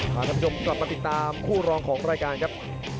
พยายามจะตีจิ๊กเข้าที่ประเภทหน้าขาครับ